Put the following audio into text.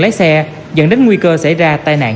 lái xe dẫn đến nguy cơ xảy ra tai nạn